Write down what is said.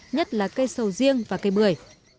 nhất là cây sầu riêng và cây bưởi